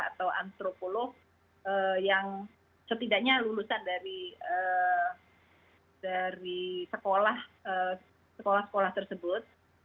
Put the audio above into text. atau antropolog yang setidaknya lulusan dari sekolah sekolah tersebut